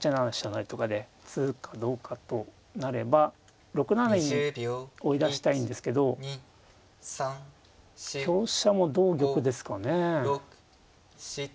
成とかで続くかどうかとなれば６七に追い出したいんですけど香車も同玉ですかね。